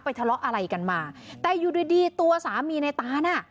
ทะเลาะอะไรกันมาแต่อยู่ดีดีตัวสามีในตานอ่ะ